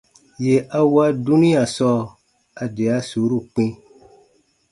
Yè a wa dunia sɔɔ, a de a suuru kpĩ.